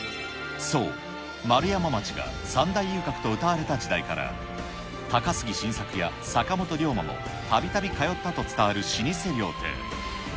そう、丸山町が三大遊郭とうたわれた時代から、高杉晋作や坂本龍馬もたびたび通ったと伝わる老舗料亭。